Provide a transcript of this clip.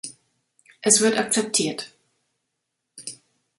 Es wird akzeptiert.